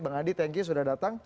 bang andi thank you sudah datang